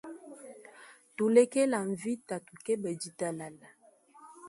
Tulekela mvita tukeba ditalala.